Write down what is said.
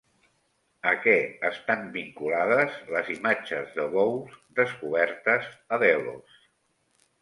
A què estan vinculades les imatges de bous descobertes a Delos?